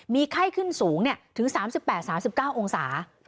มีไข้ขึ้นสูงถึง๓๘๓๙องศา